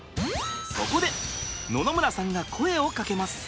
そこで野々村さんが声をかけます。